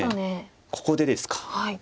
ここでですか。